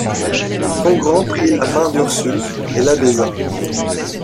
Bongrand prit la main d’Ursule et la baisa.